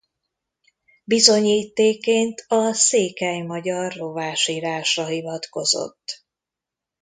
Bizonyítékként a székely–magyar rovásírásra hivatkozott.